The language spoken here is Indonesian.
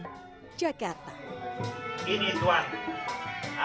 menggemaikan betawi agar selalu terngiang di kota kebanggaan